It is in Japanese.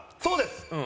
そうです。